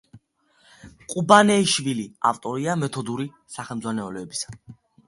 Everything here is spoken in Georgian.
ყუბანეიშვილი ავტორია მეთოდური სახელმძღვანელოებისა.